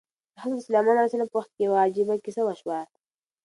د حضرت سلیمان علیه السلام په وخت کې یوه عجیبه کیسه وشوه.